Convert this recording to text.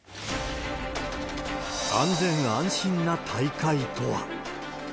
安全安心な大会とは。